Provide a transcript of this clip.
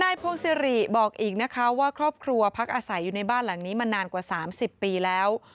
พงศิริบอกอีกนะคะว่าครอบครัวพักอาศัยอยู่ในบ้านหลังนี้มานานกว่า๓๐ปีแล้ว